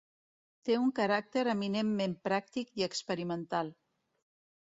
Té un caràcter eminentment pràctic i experimental.